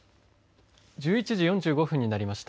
１１時４５分になりました。